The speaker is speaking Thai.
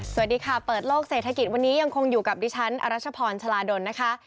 สวัสดีค่ะเปิดโลกเศรษฐกิจวันนี้ยังคงอยู่กับดิฉันอรัชพรชาลาดลนะคะ